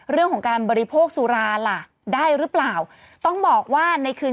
เรื่องของการบริโภคสุราล่ะได้หรือเปล่าต้องบอกว่าในคืน